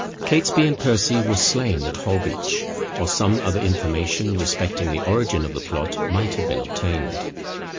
Catesby and Percy were slain at Holbeach, or some other information respecting the origin of the plot might have been obtained.